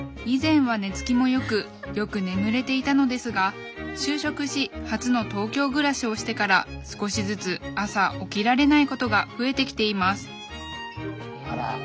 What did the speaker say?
以前は寝つきも良くよく眠れていたのですが就職し初の東京暮らしをしてから少しずつ朝起きられないことが増えてきていますあら！